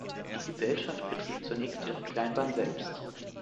Die Gesellschaft betrieb zunächst ihre Kleinbahn selbst.